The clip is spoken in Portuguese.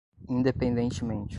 independentemente